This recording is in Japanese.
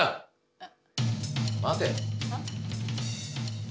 えっ